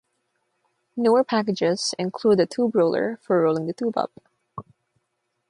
Newer packages include a Tube Roller for rolling the tube up.